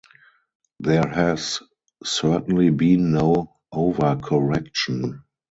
There has certainly been no overcorrection.